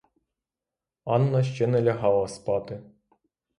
Анна ще не лягала спати.